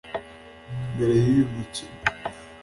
Mbere y’uyu mukino